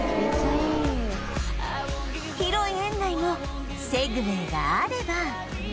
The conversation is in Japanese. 広い園内もセグウェイがあれば